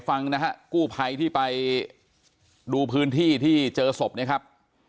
ฟังนะฮะกู้ภัยที่ไปดูพื้นที่ที่เจอศพเนี่ยครับ